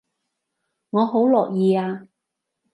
我好樂意啊